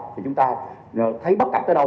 thì chúng ta thấy bất cập tới đâu